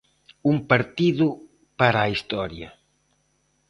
Un partido para a historia.